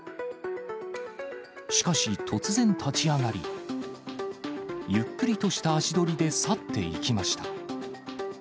しかし、突然立ち上がり、ゆっくりとした足取りで去っていきました。